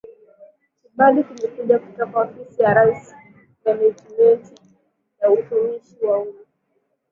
Kibali kimekuja kutoka Ofisi ya Rais Menejimenti ya Utumishi wa Umma